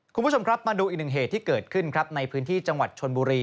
คุณผู้ชมครับมาดูอีกหนึ่งเหตุที่เกิดขึ้นครับในพื้นที่จังหวัดชนบุรี